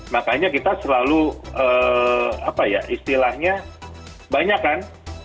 makanya kita selalu apa ya istilahnya banyak kan